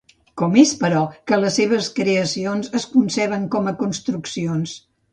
Com és, però, que les seves creacions es conceben com a construccions?